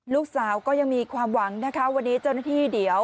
ลูกสาวก็ยังมีความหวังนะคะวันนี้เจ้าหน้าที่เดี๋ยว